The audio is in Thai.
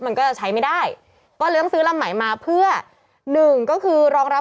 มันก็จะใช้ไม่ได้ก็เลี้ยงซื้อลำไหมมาเพื่อหนึ่งก็คือรองรับ